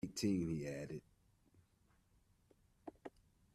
Eighteen, he added.